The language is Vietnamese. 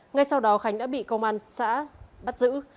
ngay sau đó khánh đã bị công an xã bắt giữ